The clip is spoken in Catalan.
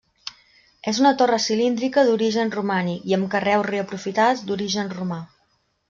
És una torre cilíndrica d'origen romànic i amb carreus reaprofitats d'origen romà.